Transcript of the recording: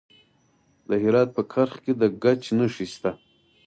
د هرات په کرخ کې د ګچ نښې شته.